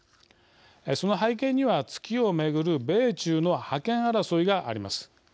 その背景には月を巡る米中の覇権争いがあります。